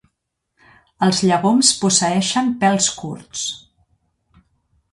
Els llegums posseeixen pèls curts.